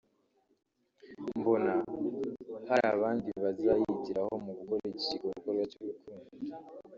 mbona hari abandi bazayigiraho mu gukora iki gikorwa cy’urukundo